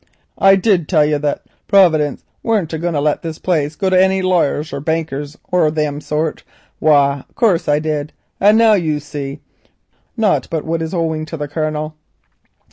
Didn't I tell yer that Prowidence weren't a going to let this place go to any laryers or bankers or thim sort? Why, in course I did. And now you see. Not but what it is all owing to the Colonel.